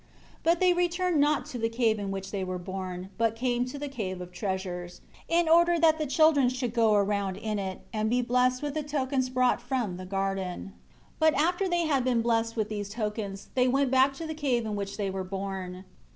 6 But they returned not to the cave in which they were born; but came to the Cave of Treasures, in order that the children should go around in it, and be blessed with the tokens brought from the garden. 7 But after they had been blessed with these tokens, they went back to the cave in which they were born.